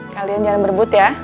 kalian jangan berbut ya